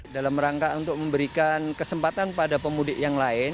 dalam rangka untuk memberikan kesempatan pada pemudik yang lain